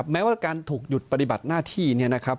แม้ว่าการถูกหยุดปฏิบัติหน้าที่เนี่ยนะครับ